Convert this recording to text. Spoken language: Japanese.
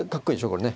これね。